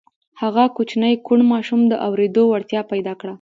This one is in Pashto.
هغه کوچني کوڼ ماشوم د اورېدو وړتيا پيدا کړه.